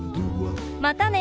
またね！